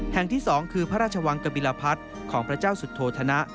ที่๒คือพระราชวังกบิลพัฒน์ของพระเจ้าสุโธธนะ